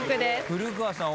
古川さん